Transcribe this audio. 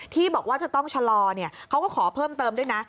ที่บอกว่าจะต้องชะลอเขาก็ขอเพิ่มเติมด้วยนะ